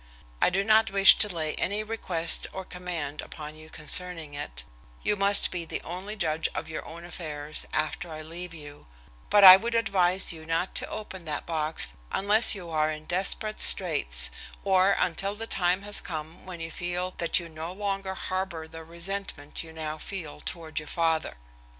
I do not wish to lay any request or command upon you concerning it you must be the only judge of your own affairs after I leave you but I would advise you not to open that box unless you are in desperate straits, or until the time has come when you feel that you no longer harbor the resentment you now feel toward your father."